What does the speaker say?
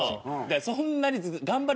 そんなに全然頑張る。